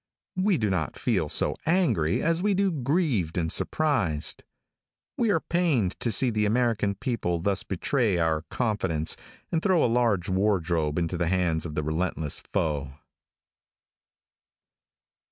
We do not feel so angry as we do grieved and surprised. We are pained to see the American people thus betray our confidence, and throw a large wardrobe into the hands of the relentless foe.